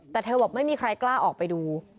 แต่เธอบอกไม่มีใครกล้าออกไปดู